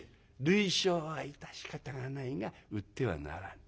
「類焼は致し方がないが売ってはならん」。